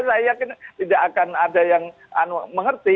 saya yakin tidak akan ada yang mengerti